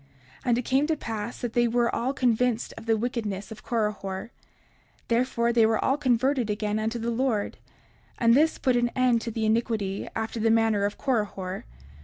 30:58 And it came to pass that they were all convinced of the wickedness of Korihor; therefore they were all converted again unto the Lord; and this put an end to the iniquity after the manner of Korihor.